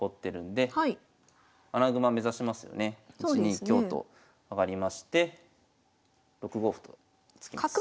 １二香と上がりまして６五歩と突きます。